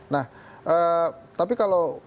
nah tapi kalau